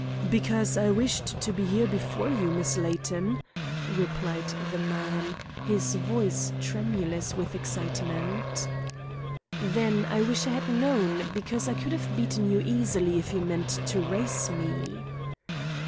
"Because I wished to be here before you, Miss Layton," replied the man, his voice tremulous with excitement. "Then I wish I had known, because I could have beaten you easily if you meant to race me."